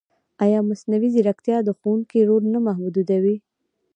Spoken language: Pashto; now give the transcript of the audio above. ایا مصنوعي ځیرکتیا د ښوونکي رول نه محدودوي؟